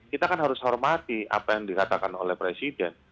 kita kan harus hormati apa yang dikatakan oleh presiden